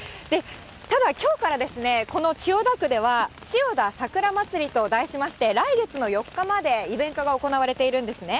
ただ、きょうから、この千代田区では、千代田さくらまつりと題しまして、来月の４日までイベントが行われているんですね。